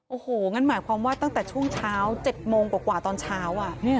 โอ้โหงั้นหมายความว่าตั้งแต่ช่วงเช้า๗โมงกว่าตอนเช้า